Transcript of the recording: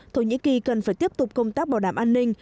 thổ nhĩ kỳ cần phải tiếp tục công tác bảo đảm an ninh